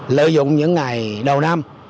lợi dụng những ngày đầu năm